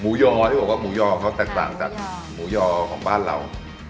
มูหย่อมูหย่อของเขาแตกต่างจากมูหย่อของบานเรา